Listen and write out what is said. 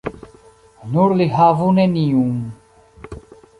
Nur li havu neniun.